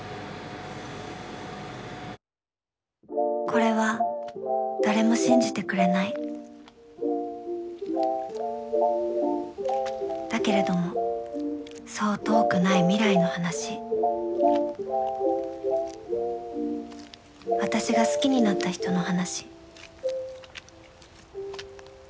これは誰も信じてくれないだけれどもそう遠くない未来の話私が好きになった人の話